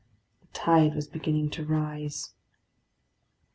The tide was beginning to rise.